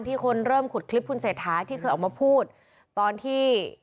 คนเริ่มขุดคลิปคุณเศรษฐาที่เคยออกมาพูดตอนที่